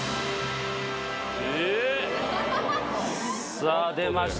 さぁ出ました。